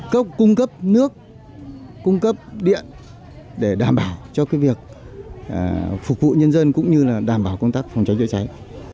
các công cấp nước công cấp điện để đảm bảo cho việc phục vụ nhân dân cũng như đảm bảo công tác phòng cháy chữa cháy